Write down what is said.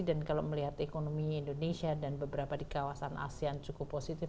dan kalau melihat ekonomi indonesia dan beberapa di kawasan asean cukup positif